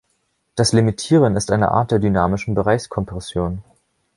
Das Limitieren ist eine Art der dynamischen Bereichskompression.